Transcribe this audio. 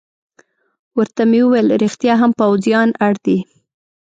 ورته مې وویل: رښتیا هم، پوځیان اړ دي.